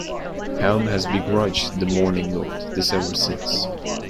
Helm has begrudged the Morninglord this ever since.